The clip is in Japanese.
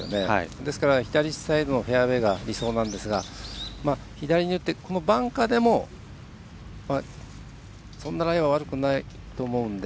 ですから左サイドのフェアウエーが理想なんですが左に寄って、バンカーでもそんなライは悪くないと思うので。